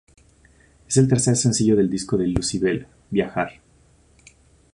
Es el tercer sencillo del disco de Lucybell, Viajar.